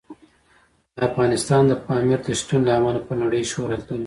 افغانستان د پامیر د شتون له امله په نړۍ شهرت لري.